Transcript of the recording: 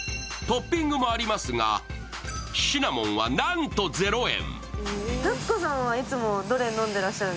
トッピングもありますがシナモンはなんとゼロ円。